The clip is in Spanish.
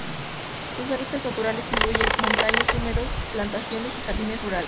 Sus hábitats naturales incluyen montanos húmedos, plantaciones y jardines rurales.